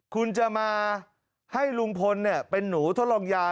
คุณจะมาให้ลุงพลเป็นหนูทดลองยา